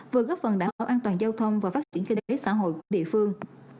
vừa góp phần đảm bảo an toàn giao thông và phát triển kinh tế xã hội của địa phương